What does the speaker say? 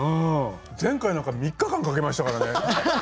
前回なんか３日間かけましたからね。